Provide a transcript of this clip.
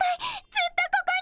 ずっとここに！